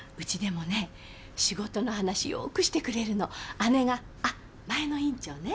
姉がああ前の院長ね。